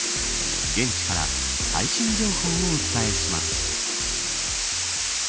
現地から最新情報をお伝えします。